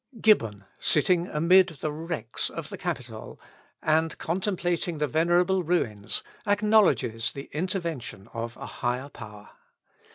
Gibbon, sitting amid the wrecks of the Capitol, and contemplating the venerable ruins, acknowledges the intervention of a higher power.